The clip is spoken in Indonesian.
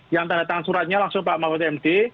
yang tanda tangan suratnya langsung pak mbak putri md